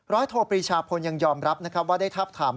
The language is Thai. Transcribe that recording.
ร้อยโทปรีชาพลยังยอมรับว่าได้ทับถาม